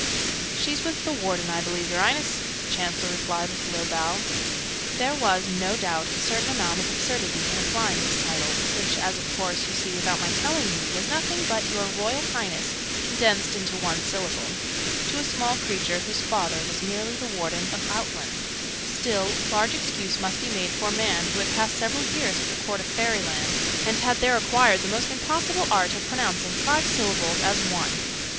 "She's with the Warden, I believe, y'reince!" the Chancellor replied with a low bow. There was, no doubt, a certain amount of absurdity in applying this title (which, as of course you see without my telling you, was nothing but 'your Royal Highness' condensed into one syllable) to a small creature whose father was merely the Warden of Outland: still, large excuse must be made for a man who had passed several years at the Court of Fairyland, and had there acquired the almost impossible art of pronouncing five syllables as one.